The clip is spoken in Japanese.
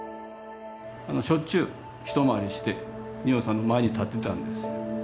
しょっちゅう一回りして仁王さんの前に立ってたんです。